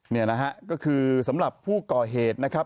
นี่นะฮะก็คือสำหรับผู้ก่อเหตุนะครับ